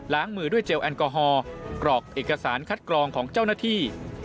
มือด้วยเจลแอลกอฮอล์กรอกเอกสารคัดกรองของเจ้าหน้าที่